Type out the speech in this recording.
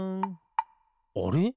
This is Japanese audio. あれ？